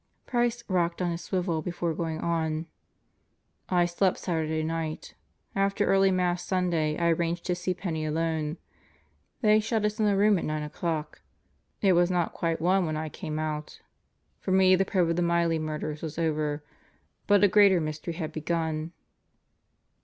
Price rocked on his swivel before going on. "I slept Saturday night. After early Mass Sunday I arranged to see Penney alone. They shut us in a room at nine o'clock. It was not quite one when I came out. For me the probe of the Miley murders was over, but a greater mystery had begun."